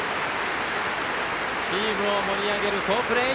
チームを盛り上げる好プレー！